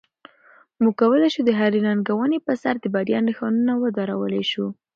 موږ کولی شو د هرې ننګونې په سر د بریا نښانونه ودرولای شو.